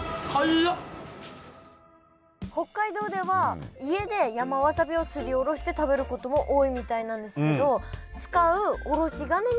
北海道では家で山わさびをすりおろして食べることも多いみたいなんですけど